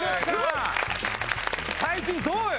最近どうよ？